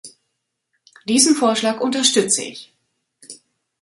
Diesen Vorschlag unterstütze ich.